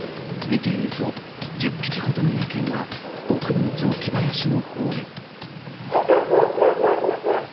見ていると１０匹ほどの野犬は奥の雑木林の方へ。